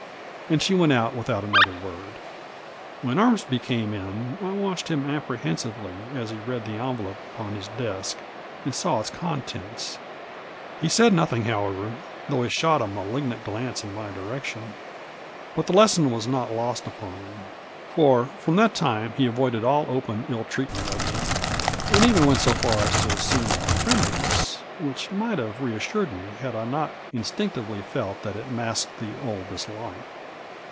And she went ont without another word. "VThen Ormsby came in, I watched him apprehensive ly as he read the envelope upon his desk and saw its con tents ; he said nothing, however, though he shot a malig nant glance in my direction ; but the lesson was not lost upon him, for from that time he avoided all open ill treatment of me, and even went so far as to assume a friendliness, which might have re assured me, had I not instinctively felt that it masked the old dislike.